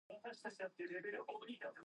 The Detroit Wolverines were an expansion club.